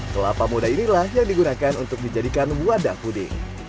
kelapa muda inilah yang digunakan untuk dijadikan wadah puding